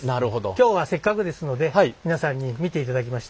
今日はせっかくですので皆さんに見ていただきました。